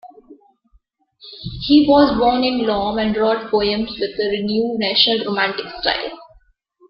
He was born in Lom and wrote poems with a renewed national romantic style.